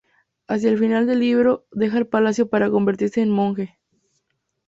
Hacia el final del libro, deja el palacio para convertirse en un monje.